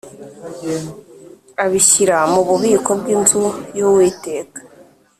abishyira mu bubiko bw’inzu y’Uwiteka